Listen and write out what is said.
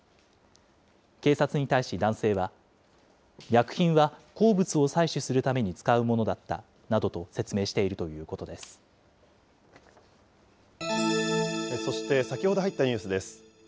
警察に対し、男性は、薬品は鉱物を採取するために使うものだったなどと説明しているとそして、先ほど入ったニュースです。